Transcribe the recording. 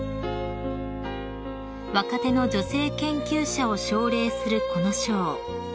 ［若手の女性研究者を奨励するこの賞］